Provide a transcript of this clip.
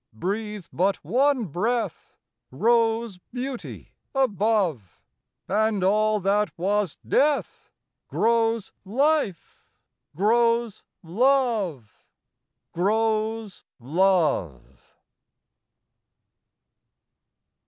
Breathe but one breath Rose beauty above, And all that was death Grows life, grows love, Grows love!